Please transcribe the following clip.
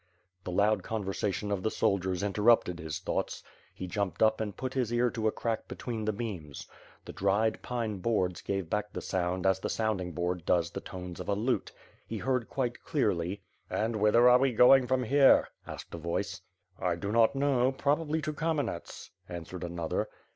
The loud conversation of the soldiers interrupted his thoughts. He jumped up and pu^t his ear to a crack be tween the beams. The dried, pine boards gave back the sound as the sounding board does the tones of a lute. He heard quite clearly. "And whither are we going from here?" asked a voice. "I do not now, probably to Kamenets," answered another.